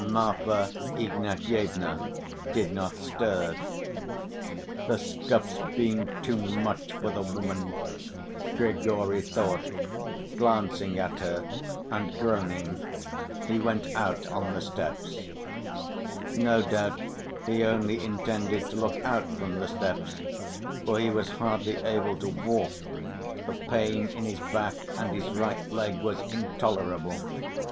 Marfa Ignatyevna did not stir. "The stuff's been too much for the woman," Grigory thought, glancing at her, and groaning, he went out on the steps. No doubt he only intended to look out from the steps, for he was hardly able to walk, the pain in his back and his right leg was intolerable.